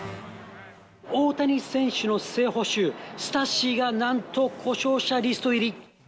大谷選手の正捕手、スタッシがなんと故障者リスト入り。